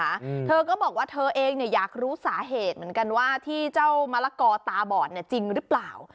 อืมเธอก็บอกว่าเธอเองเนี่ยอยากรู้สาเหตุเหมือนกันว่าที่เจ้ามะละกอตาบอดเนี้ยจริงหรือเปล่า